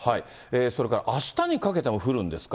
それからあしたにかけても降るんですか？